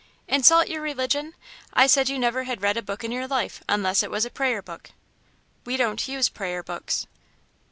"Insult your religion! I said you never had read a book in your life unless it was a prayer book." "We don't use prayer books."